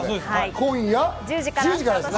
今夜１０時からです。